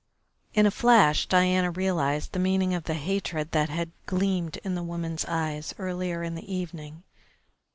In a flash Diana realised the meaning of the hatred that had gleamed in the woman's eyes earlier in the evening.